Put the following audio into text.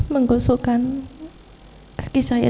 menggosokkan kaki saya dengan kerasa saya